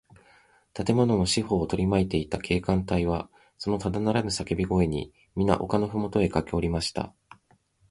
建物の四ほうをとりまいていた警官隊は、そのただならぬさけび声に、みな丘のふもとへかけおりました。